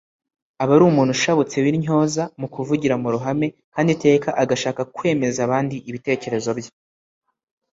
Abari umuntu ushabutse w’intyoza mu kuvugira mu ruhame kandi iteka agashaka kwemeza abandi ibitekerezo bye